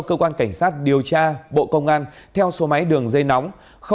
cơ quan cảnh sát điều tra bộ công an theo số máy đường dây nóng